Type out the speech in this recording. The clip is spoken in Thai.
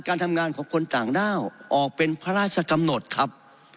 ขอสไลด์ต่อไปครับ